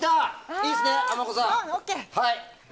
いいですね、あまこさん。